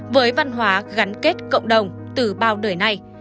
với văn hóa gắn kết cộng đồng từ bao đời nay